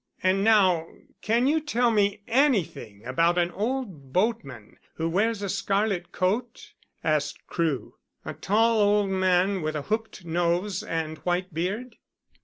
"And now can you tell me anything about an old boatman who wears a scarlet coat?" asked Crewe. "A tall old man, with a hooked nose and white beard?"